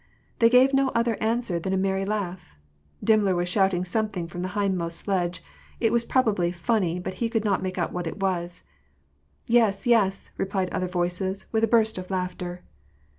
They gave no other answer than a merry laugh. Dimmler was shouting something from the hindmost sledge ; it was probably funny, but he could not make out what it was. " Yes, yes," replied other voices, with a burst of laughter.